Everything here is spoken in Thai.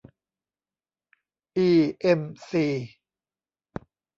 อีเอ็มซี